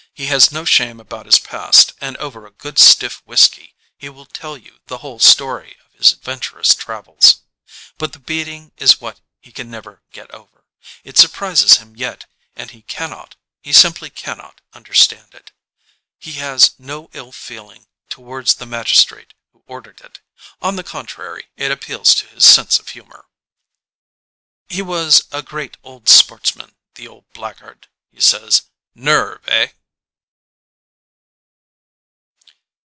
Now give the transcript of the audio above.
He has no shame about his past and over a good stiff whisky he will tell you the whole story of his ad venturous travels. But the beating is what he can never get over. It surprises him yet and he cannot, he simply cannot understand it. He has no ill feeling towards the magistrate who ordered it; on the contrary it appeals to his sense of humour. "He was a great old sportsman, the old black guard," he says. "Nerve, eh?"